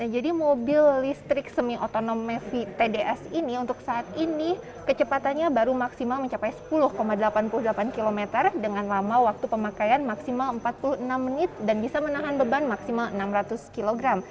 mobil listrik semi otonom mevri tds ini untuk saat ini kecepatannya baru maksimal mencapai sepuluh delapan puluh delapan km dengan lama waktu pemakaian maksimal empat puluh enam menit dan bisa menahan beban maksimal enam ratus kg